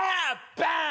バーン